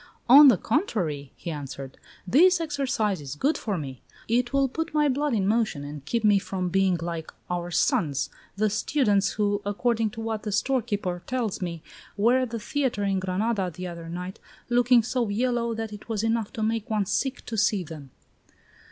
"On the contrary," he answered, "this exercise is good for me; it will put my blood in motion and keep me from being like our sons, the students who, according to what the storekeeper tells me, were at the theatre in Granada the other night looking so yellow that it was enough to make one sick to see them."